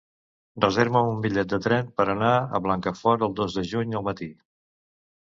Reserva'm un bitllet de tren per anar a Blancafort el dos de juny al matí.